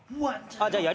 じゃあやり直す。